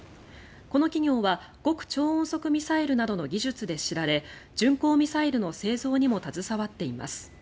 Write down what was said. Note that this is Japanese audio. この企業は極超音速ミサイルなどの技術で知られ巡行ミサイルの製造にも携わっています。